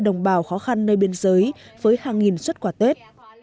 đồng bào khó khăn nơi biên giới với hàng nghìn xuất quả tết